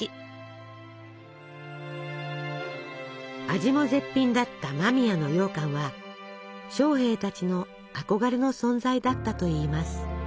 味も絶品だった間宮のようかんは将兵たちの憧れの存在だったといいます。